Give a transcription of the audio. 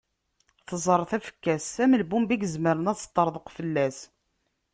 Tẓer tafekka-s am lbumba izemren ad teṭṭerḍeq fell-as.